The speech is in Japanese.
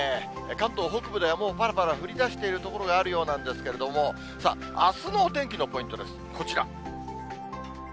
関東北部ではもう、ぱらぱら降りだしている所があるようなんですけれども、さあ、あすのお天気のポイントです、こちら。